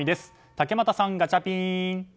竹俣さん、ガチャピン。